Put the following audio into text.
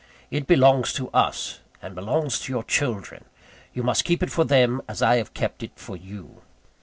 It belongs to us, and belongs to your children. You must keep it for them, as I have kept it for you."